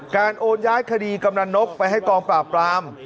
โอนย้ายคดีกำนันนกไปให้กองปราบปราม